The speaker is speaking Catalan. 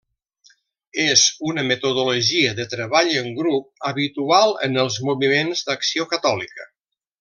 És una metodologia de treball en grup habitual en els moviments d'Acció Catòlica.